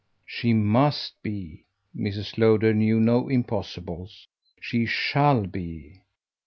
"She must be." Mrs. Lowder knew no impossibles. "She SHALL be."